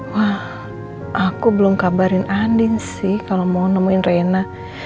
wah aku belum kabarin andin sih kalau mau nemuin reina